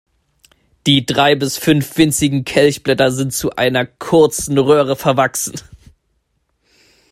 Die drei bis fünf winzigen Kelchblätter sind zu einer kurzen Röhre verwachsen.